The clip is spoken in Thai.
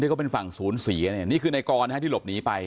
ที่ก็เป็นฝั่งศูนย์ศรีนี่นี่คือในกรณ์ที่หลบหนีไป